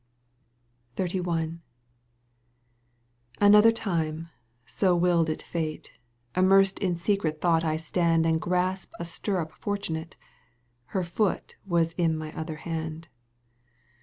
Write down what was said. XXXL Another time, so wffled it Fate, Immersed in secret thought I stand And grasp a stirrup fortunate — Her foot was in my other hand.